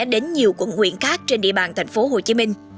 đến nhiều quận huyện khác trên địa bàn thành phố hồ chí minh